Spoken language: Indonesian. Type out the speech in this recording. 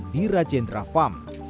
di rajendra farm